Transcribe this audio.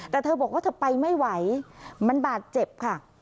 แต่เธอบอกว่าเธอไปไม่ไหวมันบาดเจ็บค่ะ